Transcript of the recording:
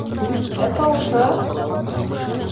Ә тауышы?